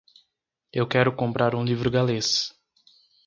Eu quero comprar um livro galês.